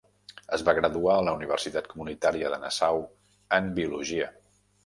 Es va graduar a la Universitat Comunitària de Nassau en biologia.